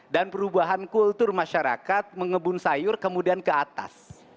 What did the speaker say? dan perubahan kultur masyarakat mengebun sayur kemudian ke atas